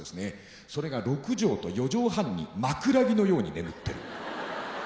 それが６畳と４畳半に枕木のように眠ってる。